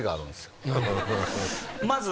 まず。